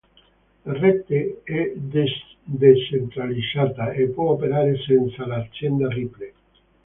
La rete è decentralizzata e può operare senza l'azienda Ripple.